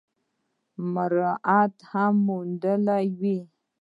مراعات هم موندلي وي ۔